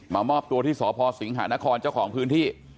มอบตัวที่สพสิงหานครเจ้าของพื้นที่